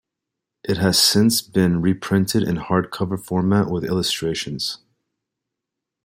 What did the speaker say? It has since been reprinted in a hardcover format with illustrations.